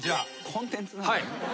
コンテンツなの？